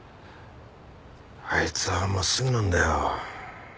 あいつは真っすぐなんだよ。